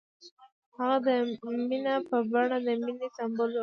هغه د مینه په بڼه د مینې سمبول جوړ کړ.